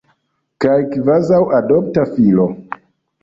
Kaj kvazaŭ adopta filo.